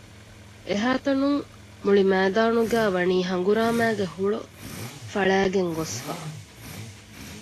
އެހައިތަނުން މުޅިމައިދާނުގައިވަނީ ހަނގުރާމައިގެ ހުޅުފަޅައިގެން ގޮސްފަ